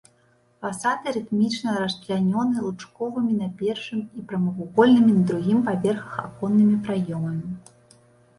Фасады рытмічна расчлянёны лучковымі на першым і прамавугольным на другім паверхах аконнымі праёмамі.